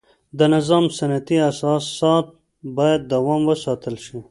د نظام سنتي اساسات باید دوام وساتل شي.